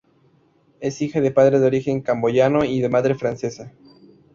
Es hija de padre de origen camboyano y de madre francesa.